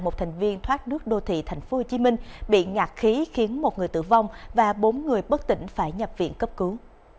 một thành viên thoát nước đô thị tp hcm bị ngạc khí khiến một người tử vong và bốn người bất tỉnh phải nhập viện cấp cứu